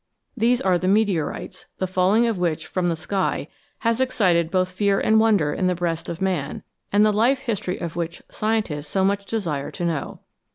These are the meteorites, the falling of which from the sky has excited both fear and wonder in the breast of man, and the life history of which scientists so much desire to know.